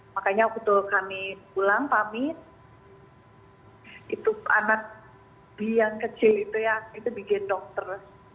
makanya waktu kami pulang pamit itu anak bi yang kecil itu ya itu bikin dokter